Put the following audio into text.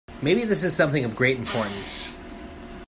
Maybe this is something of great importance.